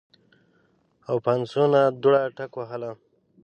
او پاينڅو نه دوړه ټکوهله